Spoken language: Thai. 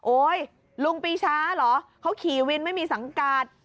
ลุงปีชาเหรอเขาขี่วินไม่มีสังกัด